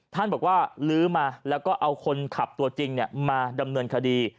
ท่านบอกว่าลื้อมาแล้วก็เอาคนขับตัวจริงมาดำเนินคดี